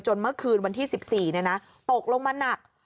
จนเมื่อคืนวันที่๑๔เนี่ยนะตกลงมาหนัก